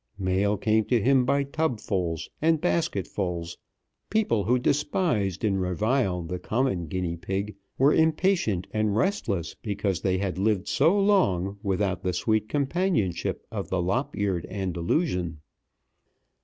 Mail came to him by tubfuls and basketfuls. People who despised and reviled the common guinea pig were impatient and restless because they had lived so long without the sweet companionship of the lop eared Andalusian.